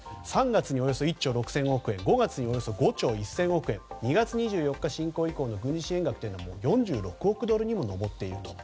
３月におよそ１兆６０００億円５月におよそ５兆１０００億円２月２４日侵攻以降の軍事支援額はもう４６億ドルにも上っている。